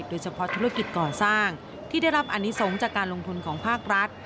โดยเฉพาะธุรกิจก่อสร้างที่ได้รับอนิสงฆ์จากการลงทุนของภาครัฐ